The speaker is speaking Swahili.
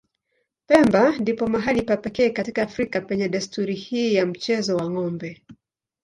Pemba ndipo mahali pa pekee katika Afrika penye desturi hii ya mchezo wa ng'ombe.